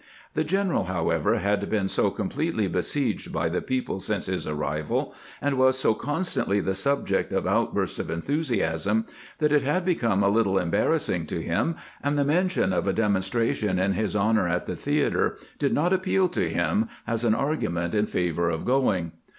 The general, however, had been so completely besieged by the people since his arrival, and was so constantly the subject of outbursts of enthusiasm, that it had become a little embarrassing to him, and the mention of a dem onstration in his honor at the theater did not appeal to him as an argument in favor of going.